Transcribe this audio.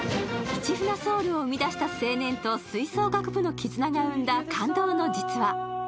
「市船ｓｏｕｌ」を生み出した青年と吹奏楽部の絆が生んだ感動の実話